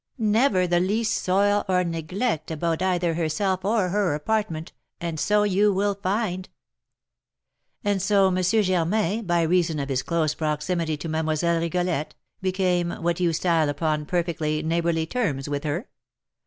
Never the least soil or neglect about either herself or her apartment, and so you will find." "And so M. Germain, by reason of his close proximity to Mlle. Rigolette, became what you style upon perfectly neighbourly terms with her?"